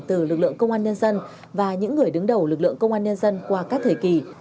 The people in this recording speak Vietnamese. từ lực lượng công an nhân dân và những người đứng đầu lực lượng công an nhân dân qua các thời kỳ